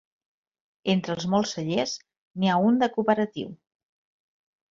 Entre els molts cellers, n'hi ha un de cooperatiu.